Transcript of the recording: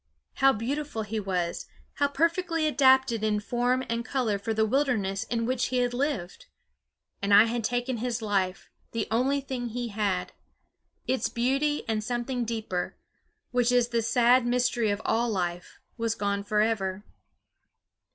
How beautiful he was, how perfectly adapted in form and color for the wilderness in which he had lived! And I had taken his life, the only thing he had. Its beauty and something deeper, which is the sad mystery of all life, were gone forever.